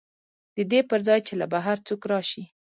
د دې پر ځای چې له بهر څوک راشي